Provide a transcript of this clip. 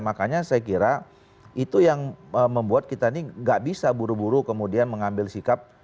makanya saya kira itu yang membuat kita ini nggak bisa buru buru kemudian mengambil sikap